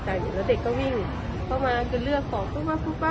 แล้วเด็กก็วิ่งเข้ามาคือเลือกของปุ๊บปุ๊บปุ๊บปุ๊บ